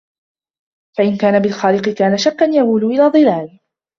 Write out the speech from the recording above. فَإِنْ كَانَ بِالْخَالِقِ كَانَ شَكًّا يَئُولُ إلَى ضَلَالٍ